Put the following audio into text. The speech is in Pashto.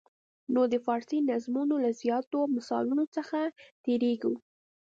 نو د فارسي نظمونو له زیاتو مثالونو څخه تېریږو.